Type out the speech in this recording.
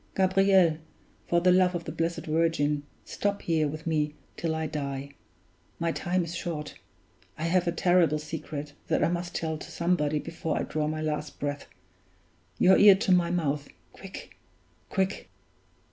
Gabriel, for the love of the Blessed Virgin, stop here with me till I die my time is short I have a terrible secret that I must tell to somebody before I draw my last breath! Your ear to my mouth quick! quick!"